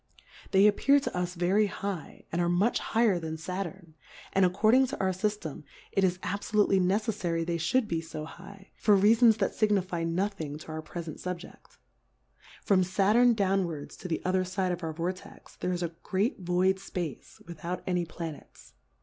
They appear to us very high, and are much higher than Saturn ; and accord ing to our Syftem, it is abfolutely ne ceffary they iliould be fo high, for Rea fons that fignifie nothing to our prefent Subjeft. From Saturn downwards to the otherfide of our Vortex, there is a great void Space without any Planets.